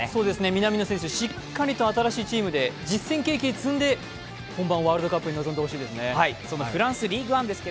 南野選手、しっかりと新しいチームで実戦経験を積んで本番ワールドカップに臨んでほしいですね。